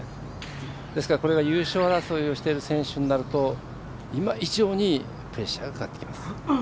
ですから、優勝争いをしている選手になると今以上にプレッシャーがかかってきます。